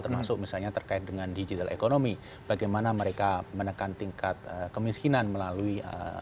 termasuk misalnya terkait dengan digital economy bagaimana mereka menekan tingkat kemiskinan melalui